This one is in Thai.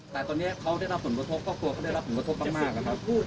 แต่ตอนเนี้ยเขาได้รับส่วนกระทบเขากลัวเขาได้รับส่วนกระทบมากมากอ่ะครับ